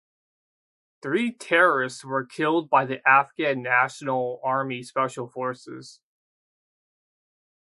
Three terrorists were killed by the Afghan National Army Special Forces.